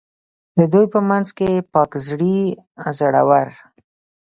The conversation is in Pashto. د دوی په منځ کې پاک زړي، زړه ور.